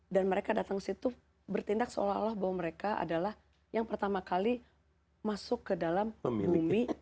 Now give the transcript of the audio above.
dan mereka datang ke situ bertindak seolah olah bahwa mereka adalah yang pertama kali masuk ke dalam bumi